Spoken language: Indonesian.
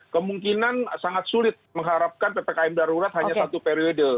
kemungkinan sangat sulit mengharapkan ppkm darurat hanya satu periode